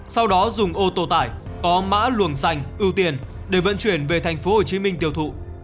sau đó dùng ô tô tải có mã luồng xanh ưu tiên để vận chuyển về thành phố hồ chí minh tiêu thụ